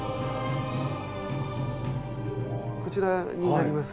こちらになります。